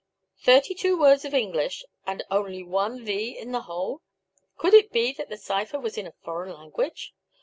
Thirty two words of English and only one the in the whole? Could it be that the cipher was in a foreign language?